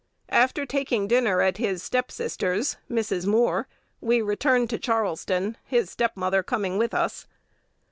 After taking dinner at his step sister's (Mrs. Moore), we returned to Charleston, his step mother coming with us.